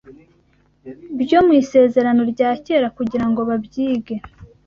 byo mu Isezerano rya Kera kugira ngo babyige